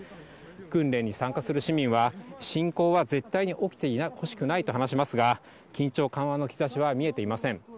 訓練に参加する市民は、侵攻は絶対に起きてほしくないと話しますが、緊張緩和の兆しは見えていません。